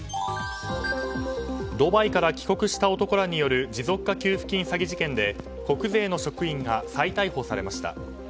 ドバイから帰国した男らによる持続化給付金詐欺事件で国税の職員が再逮捕されました。